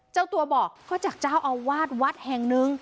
เจ้าตัวบอกก็จากเจ้าอาวาสวัดแห่งหนึ่ง